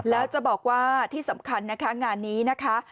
แล้วจะบอกว่าที่สำคัญนะคะงานนี้นะคะ